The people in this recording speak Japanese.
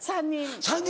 ３人。